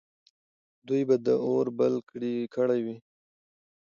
دوی به اور بل کړی وي.